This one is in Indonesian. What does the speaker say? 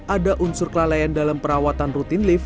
ada unsur kelalaian dalam perawatan